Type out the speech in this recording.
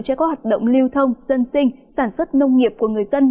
cho các hoạt động lưu thông dân sinh sản xuất nông nghiệp của người dân